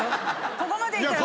ここまでいったら。